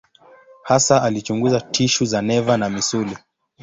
Hasa alichunguza tishu za neva na misuli.